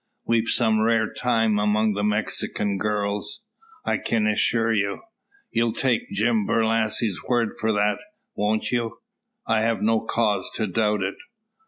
We've some rare times among the Mexikin girls, I kin assure you. You'll take Jim Borlasse's word for that, won't you?" "I have no cause to doubt it."